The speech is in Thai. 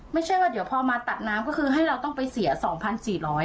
ไม่ใช่ว่าเดี๋ยวพอมาตัดน้ำก็คือให้เราต้องไปเสีย๒๔๐๐บาท